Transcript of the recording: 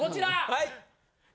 はい。